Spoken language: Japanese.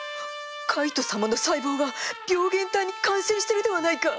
カイト様の細胞が病原体に感染してるではないか！